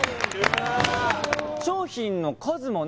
商品の数もね